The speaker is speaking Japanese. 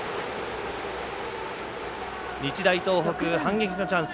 日大東北、反撃のチャンス。